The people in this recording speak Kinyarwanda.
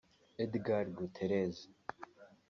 Edgar Gutiérrez